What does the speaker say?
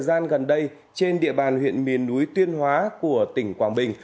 từ lâu sau thời gian gần đây trên địa bàn huyện miền núi tuyên hóa của tỉnh quảng bình